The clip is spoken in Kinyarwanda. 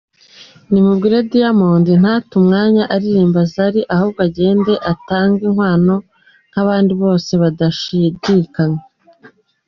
Nimubwire Diamond ntate umwanya aririmbira Zari ahubwo agende atange inkwano nk’abandi bose badashidikanya.